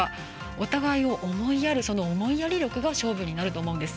お互いを思いやる、思いやり力が勝負になると思うんです。